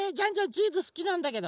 チーズすきなんだけど。